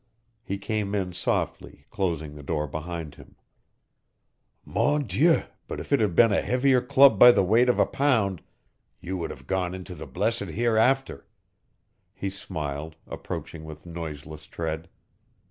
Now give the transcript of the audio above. He came in softly, closing the door behind him. "Mon Dieu, but if it had been a heavier club by the weight of a pound you would have gone into the blessed hereafter," he smiled, approaching with noiseless tread.